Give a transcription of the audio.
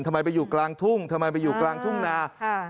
ไปอยู่กลางทุ่งทำไมไปอยู่กลางทุ่งนา